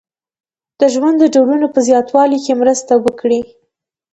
د ژوند د ډولونو په زیاتوالي کې مرسته وکړي.